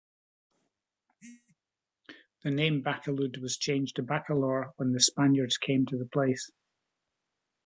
The name Baculud was changed to Bacolor when the Spaniards came to the place.